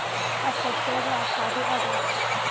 I said farewell to all the others.